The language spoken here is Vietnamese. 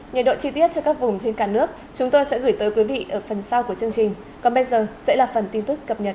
nhiệt độ chi tiết cho các vùng trên cả nước chúng tôi sẽ gửi tới quý vị ở phần sau của chương trình còn bây giờ sẽ là phần tin tức cập nhật